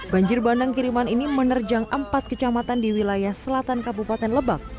banjir bandang kiriman ini menerjang empat kecamatan di wilayah selatan kabupaten lebak